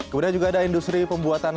kemudian juga ada industri pembuatan